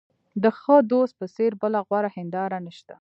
د ښه دوست په څېر بله غوره هنداره نشته.